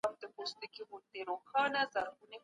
انلاين زده کړه زده کوونکي د سبقونو په دوامداره توګه تعقيبوي.